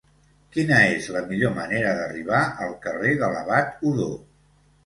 Quina és la millor manera d'arribar al carrer de l'Abat Odó?